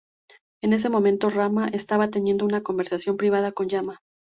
En ese momento, Rama estaba teniendo una conversación privada con Yama.